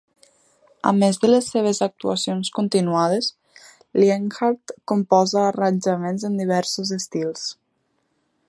A més de les seves actuacions continuades, Lienhard composa arranjaments en diversos estils.